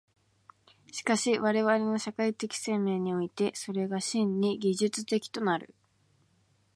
しかし我々の社会的生命において、それが真に技術的となる。